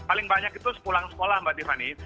paling banyak itu sepulang sekolah mbak tiffany